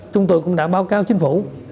chúng tôi cũng đã báo cáo chính phủ